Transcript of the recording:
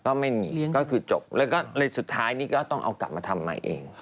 ก็ไม่มีก็คือจบแล้วก็เลยสุดท้ายนี่ก็ต้องเอากลับมาทำใหม่เอง